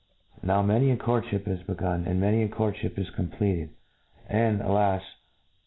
Now many a courtftiip is begun and many a courtlhip is ■ compleated and, alas !